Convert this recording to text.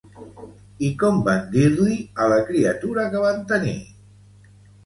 I com van dir-li a la criatura que van tenir?